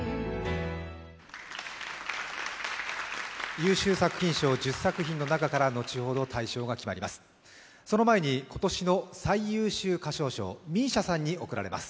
優秀作品賞１０作品の中から後ほど大賞が贈られます。